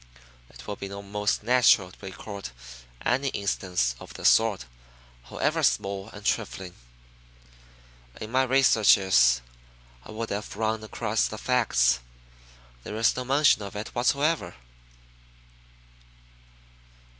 "It would be most natural to record any instance of the sort, however small and trifling. In my researches I would have run across the facts. There is no mention of it whatever."